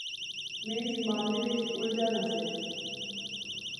میں اس معاملے وچ الجھا ناں سیس